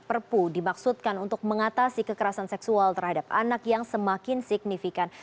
perpu dimaksudkan untuk mengatasi kekerasan seksual terhadap anak yang semakin signifikan